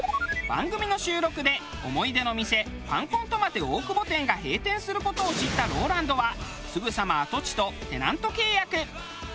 番組の収録で思い出の店パンコントマテ大久保店が閉店する事を知ったＲＯＬＡＮＤはすぐさま跡地とテナント契約。